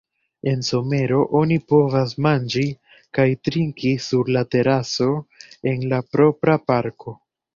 En somero oni povas manĝi kaj trinki sur la teraso en la propra parko.